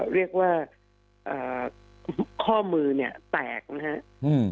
เอ่อเรียกว่าเอ่อข้อมือเนี้ยแตกนะฮะอืม